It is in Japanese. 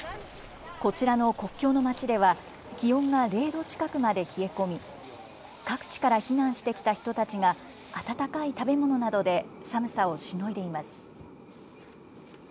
こちらの国境の街では、気温が０度近くまで冷え込み、各地から避難してきた人たちが、温かい食べ物などで寒さをしのいでいます。